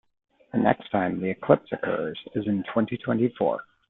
The next time the eclipse occurs is in twenty-twenty-four.